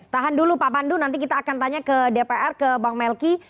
tahan dulu pak pandu nanti kita akan tanya ke dpr ke bang melki